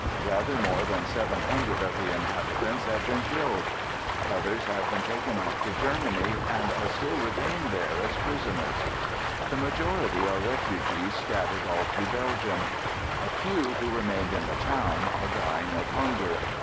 Rather more than 700 of the inhabitants have been killed; others have been taken off to Germany, and are still retained there as prisoners. The majority are refugees scattered all through Belgium. A few who remained in the town are dying of hunger.